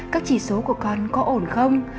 các chỉ số của con có ổn không